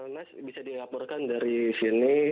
mas bisa dilaporkan dari sini